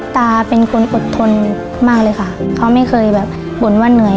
ตาเป็นคนอดทนมากเลยค่ะเขาไม่เคยแบบบ่นว่าเหนื่อย